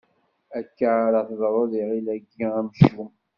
Akka ara teḍru d lǧil-agi amcum.